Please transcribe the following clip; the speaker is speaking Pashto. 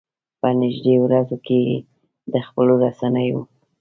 په نږدې ورځو کې یې د خپلو رسنيو.